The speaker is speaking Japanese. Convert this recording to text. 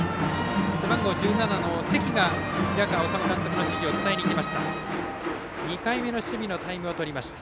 背番号１７の関が平川敦監督の指示を伝えにきました。